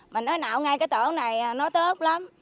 mình nói nạo ngay cái tổ này nó tốt lắm